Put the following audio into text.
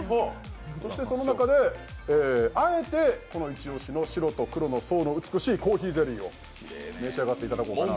そしてその中であえてこのイチ押しの白と黒の層の美しい珈琲ゼリーを召し上がっていただこうかなと。